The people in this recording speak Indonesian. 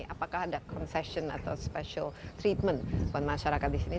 apakah ada concession atau special treatment buat masyarakat di sini